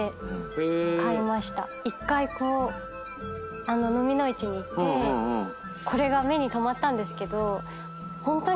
１回蚤の市に行ってこれが目に留まったんですけど。